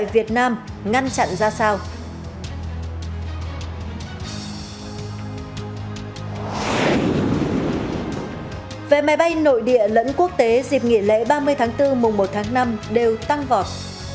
về máy bay nội địa lẫn quốc tế dịp nghỉ lễ ba mươi tháng bốn mùng một tháng năm đều tăng vọt